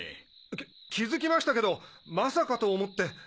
き気づきましたけどまさかと思って。